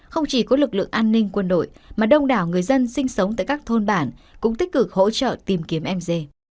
không chỉ có lực lượng an ninh quân đội mà đông đảo người dân sinh sống tại các thôn bản cũng tích cực hỗ trợ tìm kiếm m dê